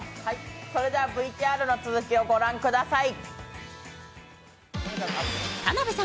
それではＶＴＲの続きをごらんください。